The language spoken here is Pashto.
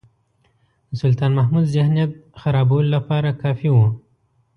د سلطان محمود ذهنیت خرابولو لپاره کافي وو.